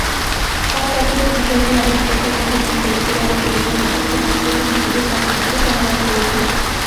তাঁর তত্ত্বটি এই বিষয়টির আরও বিকাশের পথ উন্মুক্ত করেছিল এবং পলিমার বিজ্ঞানকে যথাযথ ভিত্তিতে স্থাপন করতে সহায়তা করেছিল।